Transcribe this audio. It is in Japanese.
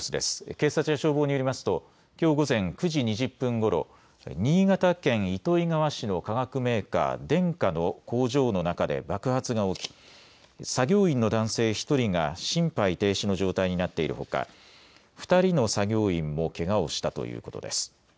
警察や消防によりますときょう午前９時２０分ごろ新潟県糸魚川市の化学メーカー、デンカの工場の中で爆発が起き作業員の男性１人が心肺停止の状態になっているほか、２人の作業員もけがをしたということです。